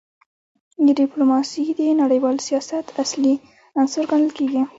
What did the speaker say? ډیپلوماسي د نړیوال سیاست اصلي عنصر ګڼل کېږي.